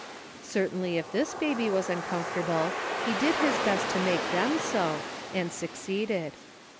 Certainly if this baby was uncomfortable he did his best to make them so, and succeeded.